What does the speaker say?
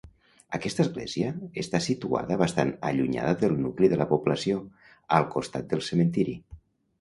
Aquesta església està situada bastant allunyada del nucli de la població, al costat del cementiri.